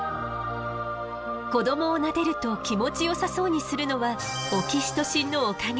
子どもをなでると気持ちよさそうにするのはオキシトシンのおかげ。